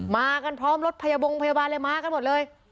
มากันพร้อมรถพยาบงพยาบาลเลยมากันหมดเลย